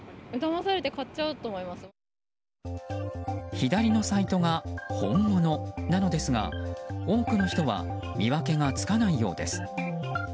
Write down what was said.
左のサイトが本物なのですが多くの人は見分けがつかないようです。